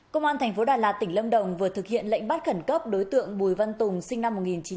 công an tp đà lạt tỉnh lâm đồng vừa thực hiện lệnh bắt khẩn cấp đối tượng bùi văn tùng sinh năm một nghìn chín trăm tám mươi